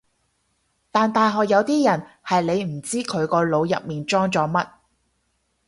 但大學有啲人係你唔知佢個腦入面裝咗乜